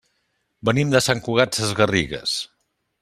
Venim de Sant Cugat Sesgarrigues.